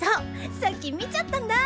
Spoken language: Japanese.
さっき見ちゃったんだ！